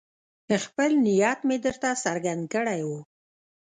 خپل نیت مې درته څرګند کړی وو.